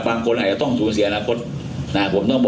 บางคนอาจจะต้องสูญเสียอนาคต